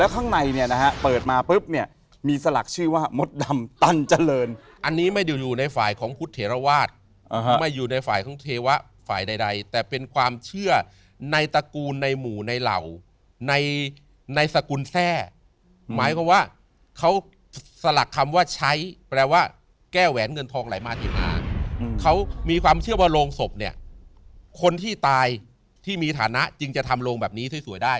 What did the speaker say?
เขามีความเชื่อว่าโรงศพเนี่ยคนที่ตายที่มีฐานะจริงจะทำโรงแบบนี้สวยได้